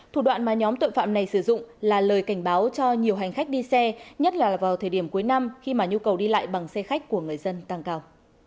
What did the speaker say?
thủ đoạn mà nhóm tội phạm này sử dụng là lời cảnh báo cho nhiều hành khách đi xe nhất là vào thời điểm cuối năm khi mà nhu cầu đi lại bằng xe khách của người dân tăng cao